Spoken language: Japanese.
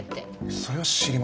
それは知りませんよ